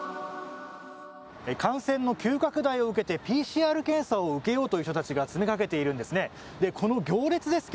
感染の急拡大を受けてＰＣＲ検査を受けようという人たちが詰めかけているんですね。